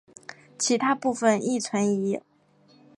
其他部分亦存疑。